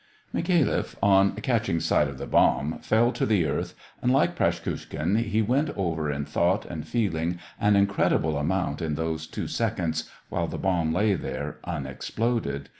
Mikhafloff, on catching sight of the bomb, fell to the earth, and, like Praskukhin, he went over in thought and feeling an incredible amount in those two seconds while the bomb lay there un exploded.